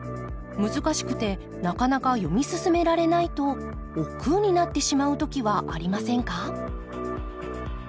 難しくてなかなか読み進められないとおっくうになってしまう時はありませんか？